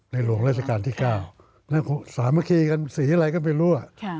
ในหลวงราชการที่๙สามคีกันสีอะไรก็ไม่รู้อะ